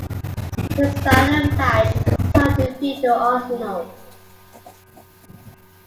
His final match was a home defeat to Arsenal.